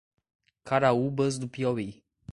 Caraúbas do Piauí